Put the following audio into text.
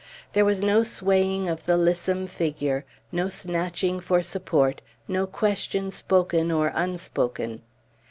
There was no swaying of the lissome figure, no snatching for support, no question spoken or unspoken.